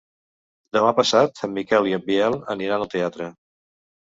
Demà passat en Miquel i en Biel aniran al teatre.